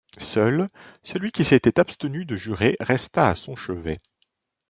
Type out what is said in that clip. Seul, celui qui s’était abstenu de jurer resta à son chevet.